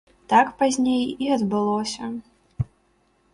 Так пазней і адбылося.